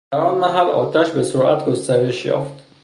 در آن محل آتش به سرعت گسترش یافت